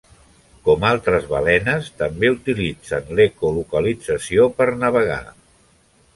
Com altres balenes, també utilitzen l'ecolocalització per navegar.